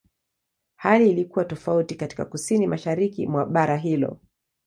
Hali ilikuwa tofauti katika Kusini-Mashariki mwa bara hilo.